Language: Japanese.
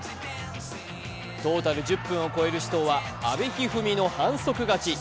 トータル１０分を超える死闘は阿部一二三の反則勝ち。